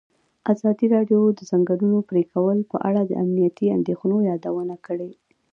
ازادي راډیو د د ځنګلونو پرېکول په اړه د امنیتي اندېښنو یادونه کړې.